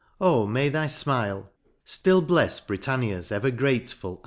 O may thy fmile Still blefs Britannia's ever grateful lile